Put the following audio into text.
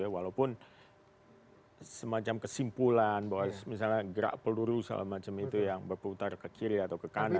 walaupun semacam kesimpulan bahwa misalnya gerak peluru segala macam itu yang berputar ke kiri atau ke kanan